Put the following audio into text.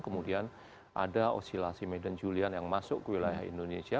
kemudian ada osilasi medan julian yang masuk ke wilayah indonesia